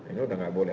ini udah gak boleh